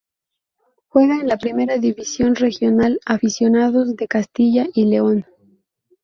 Juega en la Primera División Regional Aficionados de Castilla y León.